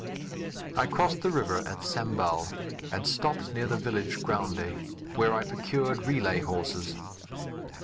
I crossed the river at Sambal, and stopped near the village Gounde, where I procured relay horses.